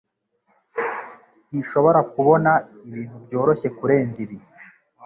Ntishobora kubona ibintu byoroshye kurenza ibi